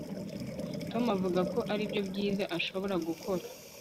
tom avuga ko aribyo byiza ashobora gukora